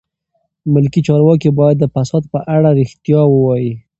ملکي چارواکي باید د فساد په اړه رښتیا ووایي.